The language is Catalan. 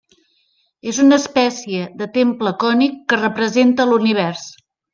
És una espècie de temple cònic que representa l'Univers.